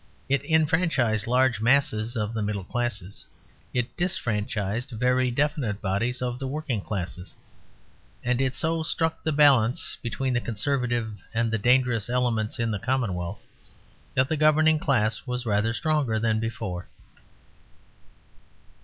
It enfranchised large masses of the middle classes; it disfranchised very definite bodies of the working classes; and it so struck the balance between the conservative and the dangerous elements in the commonwealth that the governing class was rather stronger than before.